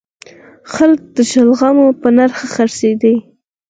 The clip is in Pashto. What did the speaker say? خلک د شلغمو په نرخ خرڅیږي